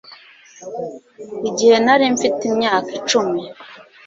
Igihe nari mfite imyaka icumi,